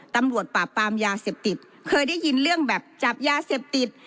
ตำรวจปราบปรามยาเสพติดเคยได้ยินเรื่องแบบจับยาเสพติด